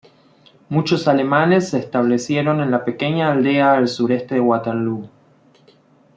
Muchos alemanes se establecieron en la pequeña aldea al sureste de Waterloo.